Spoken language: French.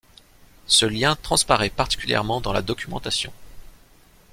Ce lien transparait particulièrement dans la documentation.